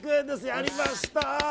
やりました！